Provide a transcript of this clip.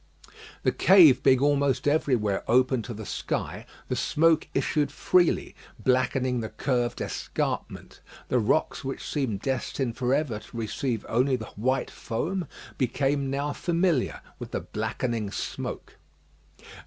The cave being almost everywhere open to the sky, the smoke issued freely, blackening the curved escarpment. The rocks which seemed destined for ever to receive only the white foam, became now familiar with the blackening smoke.